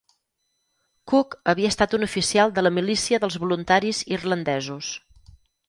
Cooke havia estat un oficial de la milícia dels voluntaris irlandesos.